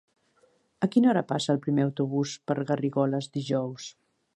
A quina hora passa el primer autobús per Garrigoles dijous?